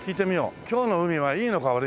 今日の海はいいのか悪いのか。